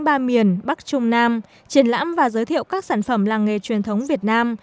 ba miền bắc trung nam triển lãm và giới thiệu các sản phẩm làng nghề truyền thống việt nam